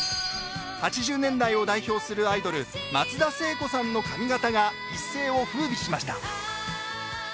８０年代を代表するアイドル松田聖子さんの髪形が一世をふうびしました。